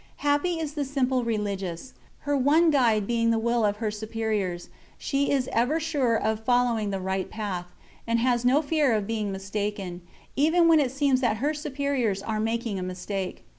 Happy is the simple religious. Her one guide being the will of her superiors, she is ever sure of following the right path, and has no fear of being mistaken, even when it seems that her superiors are making a mistake.